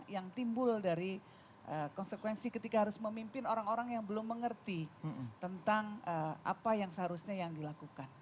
yang timbul dari konsekuensi ketika harus memimpin orang orang yang belum mengerti tentang apa yang seharusnya yang dilakukan